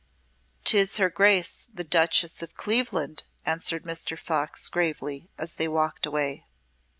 "'Tis her Grace the Duchess of Cleveland," answered Mr. Fox, gravely, as they walked away.